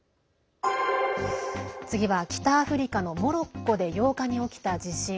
次は北アフリカのモロッコで８日に起きた地震。